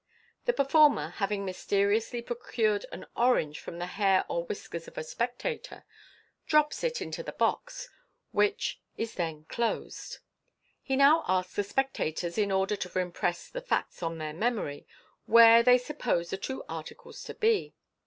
The performer, having mysteriously procured an orange from the hair or whiskers of a spectator, drops it into the box, which is then closed. He now asks the spectators, in order to impress the facts on their memory, where they suppose the two articles to be.